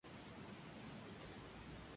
Y fue diputado por el departamento del Magdalena.